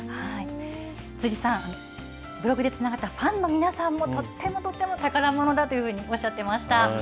辻さん、ブログでつながったファンの皆さんも、とってもとっても宝ものだというふうにおっしゃってました。